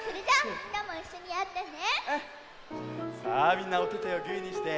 みんなおててをグーにして！